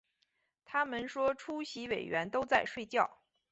他们说出席委员都在睡觉